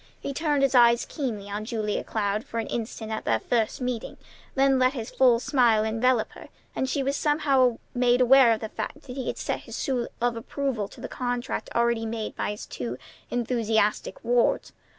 He turned his eyes keenly on Julia Cloud for an instant at their first meeting, then let his full smile envelop her, and she was somehow made aware of the fact that he had set his seal of approval to the contract already made by his two enthusiastic wards.